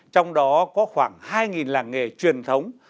trong đó có khoảng hai làng nghề truyền thống